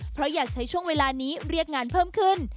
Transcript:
เพราะอยากใช้ช่วงเวลานี้เรียกงานเพิ่มขึ้น